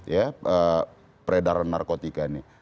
ya peredaran narkotika ini